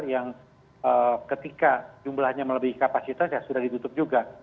yang ketika jumlahnya melebihi kapasitas ya sudah ditutup juga